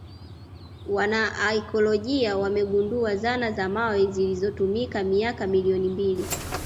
Wanaakiolojia wamegundua zana za mawe zilizotumika miaka milioni mbili